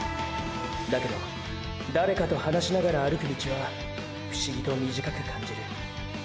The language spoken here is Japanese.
だけど誰かと話しながら歩く道は不思議と短く感じる。